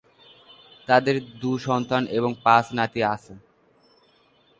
তাদের দু’সন্তান এবং পাঁচ নাতি আছে।